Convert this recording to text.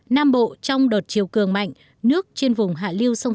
nam bộ trong đợt chiều cường mạnh nước trên vùng hạ liêu sông